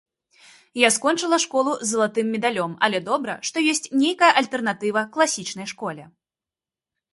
Я скончыла школу з залатым медалём, але добра, што ёсць нейкая альтэрнатыва класічнай школе.